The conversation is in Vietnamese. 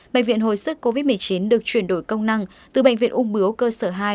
bệnh viện hồi sức covid một mươi chín được chuyển đổi công năng từ bệnh viện ung bướu cơ sở hai